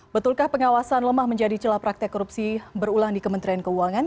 betulkah pengawasan lemah menjadi celah praktek korupsi berulang di kementerian keuangan